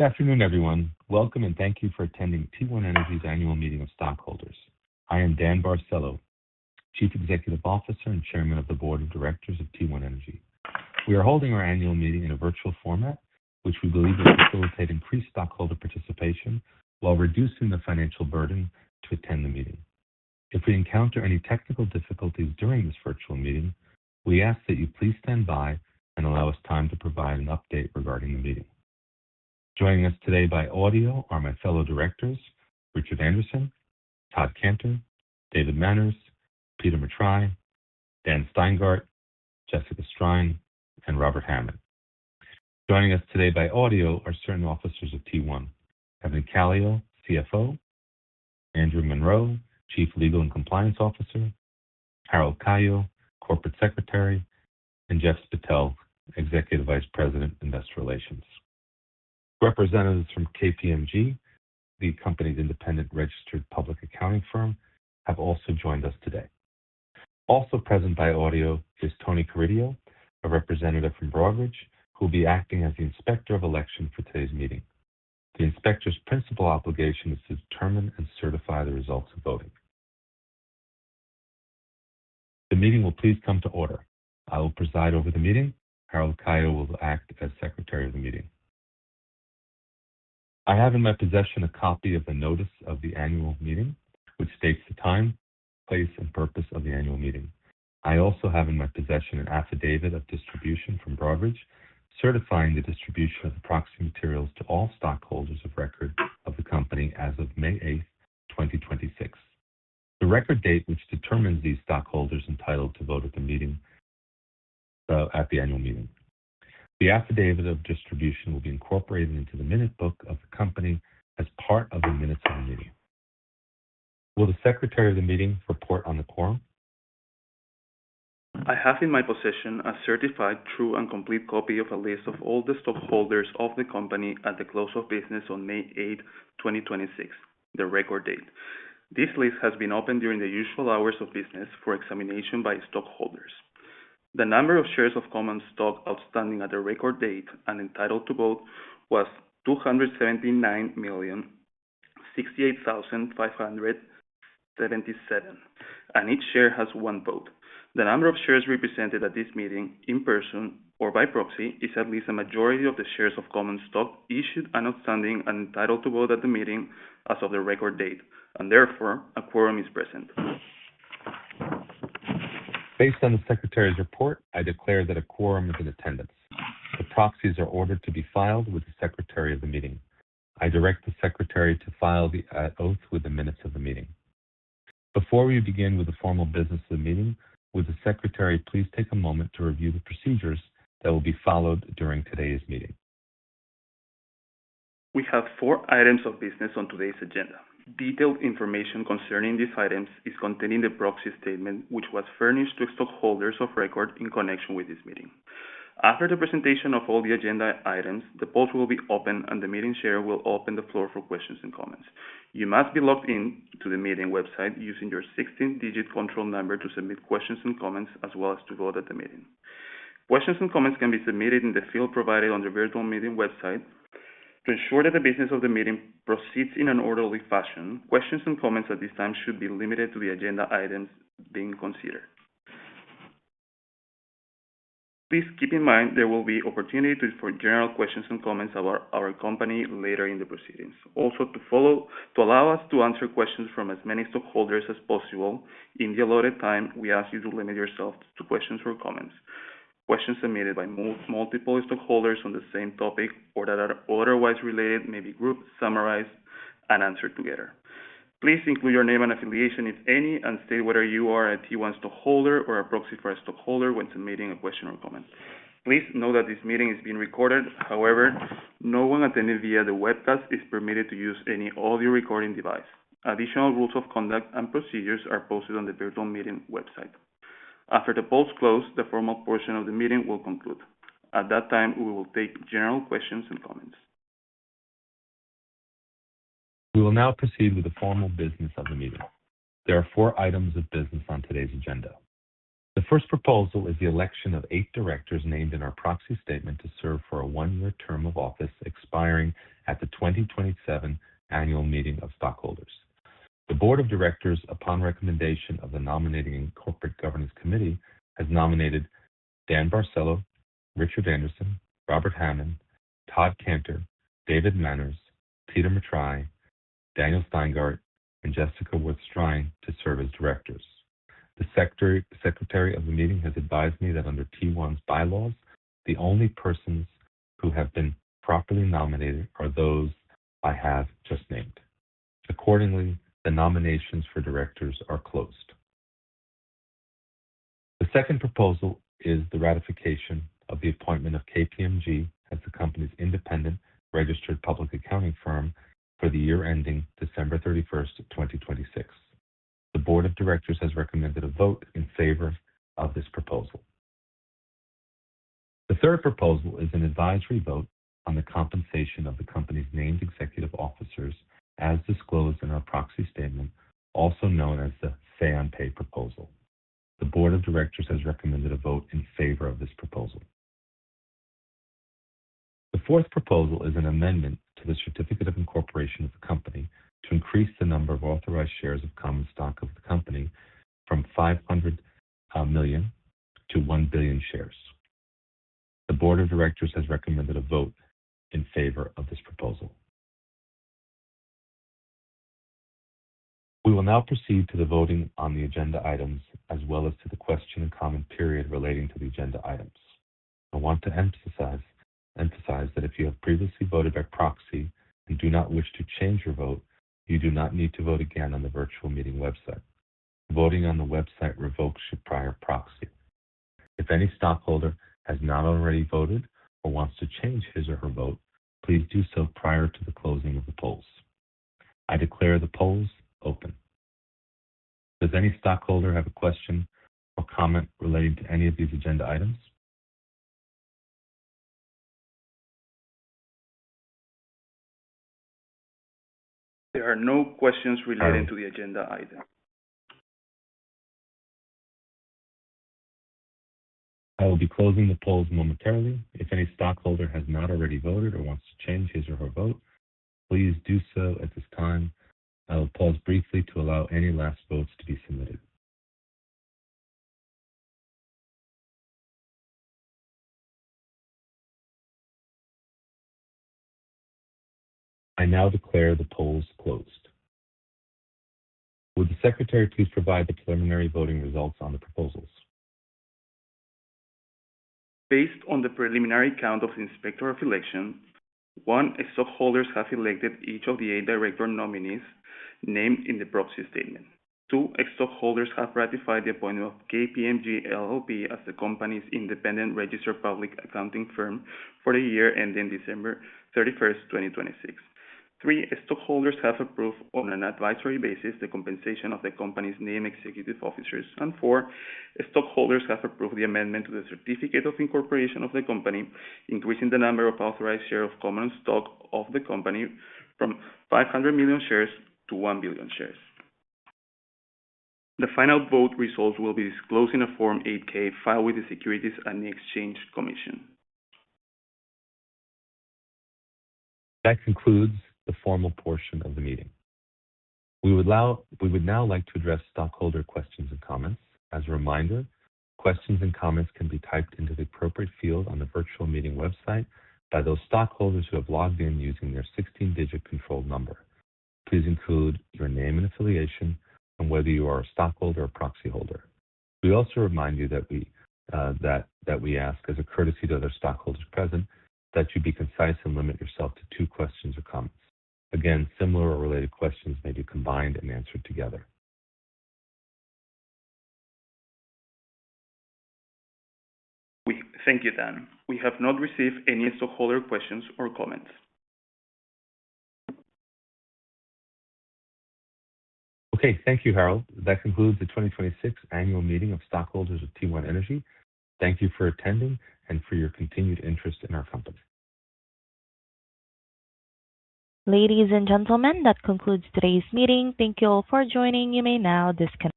Good afternoon, everyone. Welcome and thank you for attending T1 Energy's annual meeting of stockholders. I am Dan Barcelo, Chief Executive Officer and Chairman of the Board of Directors of T1 Energy. We are holding our annual meeting in a virtual format, which we believe will facilitate increased stockholder participation while reducing the financial burden to attend the meeting. If we encounter any technical difficulties during this virtual meeting, we ask that you please stand by and allow us time to provide an update regarding the meeting. Joining us today by audio are my fellow directors, Richard Anderson, Todd Kantor, David Manners, Peter Matrai, Dan Steingart, Jessica Strine, and Robert Hammond. Joining us today by audio are certain officers of T1. Evan Calio, CFO, Andy Munro, Chief Legal and Compliance Officer, Evan Calio, Corporate Secretary, and Jeffrey Spittel, Executive Vice President, Investor Relations. Representatives from KPMG, the company's independent registered public accounting firm, have also joined us today. Also present by audio is Tony Carideo, a representative from Broadridge, who will be acting as the Inspector of Election for today's meeting. The inspector's principal obligation is to determine and certify the results of voting. The meeting will please come to order. I will preside over the meeting. Evan Calio will act as Secretary of the meeting. I have in my possession a copy of the notice of the annual meeting, which states the time, place, and purpose of the annual meeting. I also have in my possession an affidavit of distribution from Broadridge, certifying the distribution of the proxy materials to all stockholders of record of the company as of May 8th, 2026. The record date which determines these stockholders entitled to vote at the annual meeting. The affidavit of distribution will be incorporated into the minute book of the company as part of the minutes of the meeting. Will the Secretary of the meeting report on the quorum? I have in my possession a certified true and complete copy of a list of all the stockholders of the company at the close of business on May 8, 2026, the record date. This list has been open during the usual hours of business for examination by stockholders. The number of shares of common stock outstanding at the record date and entitled to vote was 279,068,577, and each share has one vote. The number of shares represented at this meeting, in person or by proxy, is at least a majority of the shares of common stock issued and outstanding and entitled to vote at the meeting as of the record date, and therefore, a quorum is present. Based on the Secretary's report, I declare that a quorum is in attendance. The proxies are ordered to be filed with the Secretary of the meeting. I direct the Secretary to file the oath with the minutes of the meeting. Before we begin with the formal business of the meeting, would the Secretary please take a moment to review the procedures that will be followed during today's meeting? We have four items of business on today's agenda. Detailed information concerning these items is contained in the proxy statement, which was furnished to stockholders of record in connection with this meeting. After the presentation of all the agenda items, the polls will be open and the meeting chair will open the floor for questions and comments. You must be logged in to the meeting website using your 16-digit control number to submit questions and comments, as well as to vote at the meeting. Questions and comments can be submitted in the field provided on the virtual meeting website. To ensure that the business of the meeting proceeds in an orderly fashion, questions and comments at this time should be limited to the agenda items being considered. Please keep in mind there will be opportunities for general questions and comments about our company later in the proceedings. To allow us to answer questions from as many stockholders as possible in the allotted time, we ask you to limit yourself to questions or comments. Questions submitted by multiple stockholders on the same topic or that are otherwise related may be grouped, summarized, and answered together. Please include your name and affiliation, if any, and state whether you are a T1 stockholder or a proxy for a stockholder when submitting a question or comment. Please know that this meeting is being recorded. However, no one attending via the webcast is permitted to use any audio recording device. Additional rules of conduct and procedures are posted on the virtual meeting website. After the polls close, the formal portion of the meeting will conclude. At that time, we will take general questions and comments. We will now proceed with the formal business of the meeting. There are four items of business on today's agenda. The first proposal is the election of eight directors named in our proxy statement to serve for a one-year term of office expiring at the 2027 annual meeting of stockholders. The Board of Directors, upon recommendation of the Nominating and Corporate Governance Committee, has nominated Dan Barcelo, Richard Anderson, Robert Hammond, Todd Kantor, David Manners, Peter Matrai, Daniel Steingart, and Jessica Wirth Strine to serve as directors. The Secretary of the meeting has advised me that under T1's bylaws, the only persons who have been properly nominated are those I have just named. Accordingly, the nominations for directors are closed. The second proposal is the ratification of the appointment of KPMG as the company's independent registered public accounting firm for the year ending December 31st, 2026. The Board of Directors has recommended a vote in favor of this proposal. The third proposal is an advisory vote on the compensation of the company's named executive officers as disclosed in our proxy statement, also known as the Say on Pay proposal. The Board of Directors has recommended a vote in favor of this proposal. The fourth proposal is an amendment to the certificate of incorporation of the company to increase the number of authorized shares of common stock of the company from 500 million to 1 billion shares. The Board of Directors has recommended a vote in favor of this proposal. We will now proceed to the voting on the agenda items, as well as to the question and comment period relating to the agenda items. I want to emphasize that if you have previously voted by proxy and do not wish to change your vote, you do not need to vote again on the virtual meeting website. Voting on the website revokes your prior proxy. If any stockholder has not already voted or wants to change his or her vote, please do so prior to the closing of the polls. I declare the polls open. Does any stockholder have a question or comment relating to any of these agenda items? There are no questions relating to the agenda item. I will be closing the polls momentarily. If any stockholder has not already voted or wants to change his or her vote, please do so at this time. I will pause briefly to allow any last votes to be submitted. I now declare the polls closed. Would the secretary please provide the preliminary voting results on the proposals? Based on the preliminary count of the inspector of election, one, stockholders have elected each of the eight director nominees named in the proxy statement. Two, stockholders have ratified the appointment of KPMG LLP as the company's independent registered public accounting firm for the year ending December 31st, 2026. Three, stockholders have approved, on an advisory basis, the compensation of the company's named executive officers. four, stockholders have approved the amendment to the certificate of incorporation of the company, increasing the number of authorized share of common stock of the company from 500 million shares to 1 billion shares. The final vote results will be disclosed in a Form 8-K filed with the Securities and Exchange Commission. That concludes the formal portion of the meeting. We would now like to address stockholder questions and comments. As a reminder, questions and comments can be typed into the appropriate field on the virtual meeting website by those stockholders who have logged in using their 16-digit control number. Please include your name and affiliation and whether you are a stockholder or proxy holder. We also remind you that we ask, as a courtesy to other stockholders present, that you be concise and limit yourself to two questions or comments. Again, similar or related questions may be combined and answered together. Thank you, Dan. We have not received any stockholder questions or comments. Okay. Thank you, Evan. That concludes the 2026 annual meeting of stockholders of T1 Energy. Thank you for attending and for your continued interest in our company. Ladies and gentlemen, that concludes today's meeting. Thank you all for joining. You may now disconnect.